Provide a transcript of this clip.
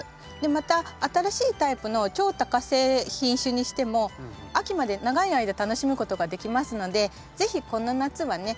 また新しいタイプの超多花性品種にしても秋まで長い間楽しむことができますので是非この夏はね